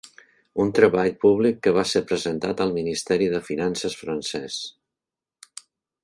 Un treball públic, que va ser presentat al Ministeri de Finances francès.